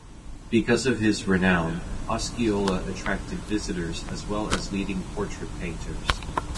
Because of his renown, Osceola attracted visitors as well as leading portrait painters.